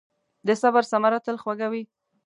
د صبر ثمره تل خوږه وي.